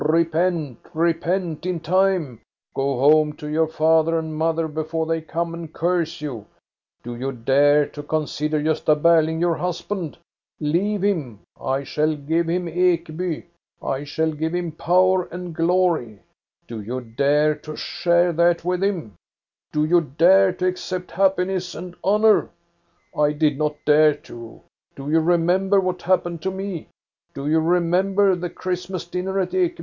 " Repent, re pent in time ! Go home to your father and mother, before they come and curse you. Do you dare to consider Gosta Berling your husband ? Leave him ! I shall give him Ekeby. I shall give him power and glory. Do you dare to share that with him ? Do you dare to accept happiness and honor? I did not dare to. Do you remember what happened to me? 464 THE STORY OF GOSTA BE RUNG Do you remember the Christmas dinner at Ekeby?